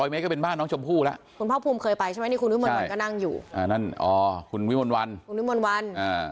เมตรก็เป็นบ้านน้องชมพู่แล้วคุณภาคภูมิเคยไปใช่ไหมนี่คุณวิมนต์วันก็นั่งอยู่อ่านั่นอ๋อคุณวิมนต์วันคุณวิมนต์วัน